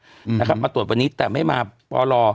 อืมนะครับมาตรวจวันนี้แต่ไม่มาปอล